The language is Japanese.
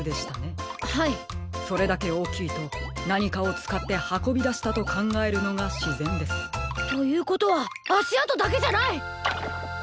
それだけおおきいとなにかをつかってはこびだしたとかんがえるのがしぜんです。ということはあしあとだけじゃない！